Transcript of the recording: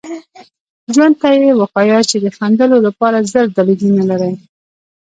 ژوند ته یې وښایاست چې د خندلو لپاره زر دلیلونه لرئ.